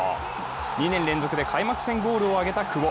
２年連続で開幕戦ゴールを挙げた久保。